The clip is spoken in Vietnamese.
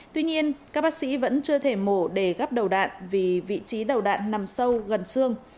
tuy nhiên các bác sĩ vẫn chưa thể mổ để gắp đầu đạn vì vị trí đầu đạn nằm sâu gần xương